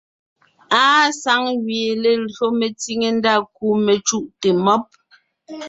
Àa saŋ gẅie lelÿò metsìŋe ndá kú mecùʼte mɔ́b.